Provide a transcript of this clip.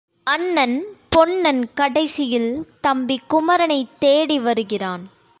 அண்ணன் பொன்னன் கடைசியில் தம்பி குமரனைத் தேடிவருகிறான்.